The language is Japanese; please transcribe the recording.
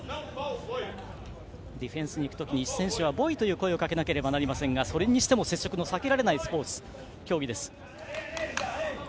ディフェンスにいくときに選手はボイという声をかけないといけませんがそれにしても接触の避けられないスポーツ、競技です。